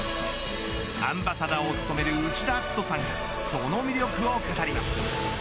アンバサダーを務める内田篤人さんがその魅力を語ります。